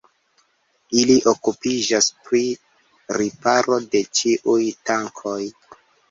Ili okupiĝas pri riparo de ĉiuj tankoj.